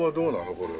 これは。